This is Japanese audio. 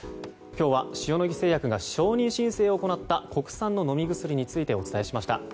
今日は塩野義製薬が承認申請を行った国産の飲み薬についてお伝えしました。